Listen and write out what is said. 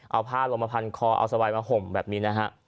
เอาผ้าลงมาพันคอเอาสบายมาห่มแบบนี้นะฮะ